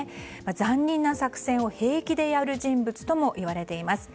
残忍な作戦を平気でやる人物ともいわれています。